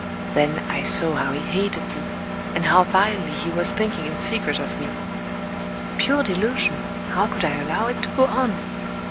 Then, I saw how he hated you, and how vilely he was thinking in secret of me " Pure delusion! How could I allow it to go on?